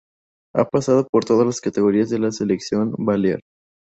Ha pasado por todas las categorías de la Selección Balear.